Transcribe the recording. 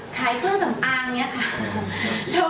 ใช้เครื่องสามารถ